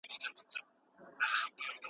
د سر مساژ کول رنګ نه بدلوي.